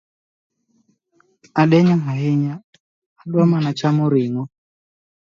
Adenyo ahinya , adwa mana chamo ring’o